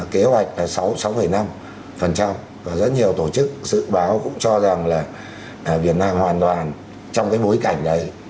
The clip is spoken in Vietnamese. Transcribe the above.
kế hoạch là sáu mươi sáu năm và rất nhiều tổ chức dự báo cũng cho rằng là việt nam hoàn toàn trong cái bối cảnh đấy